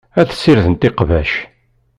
Ad ssirdent iqbac.